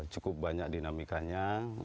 cukup banyak dinamikanya